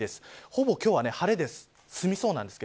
ほぼ今日は晴れで済みそうです。